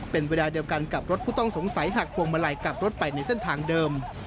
เป็นเวลาเดียวกันกับรถผู้ต้องสงสัยหักพวงมาลัยกลับรถไปในเส้นทางเดิม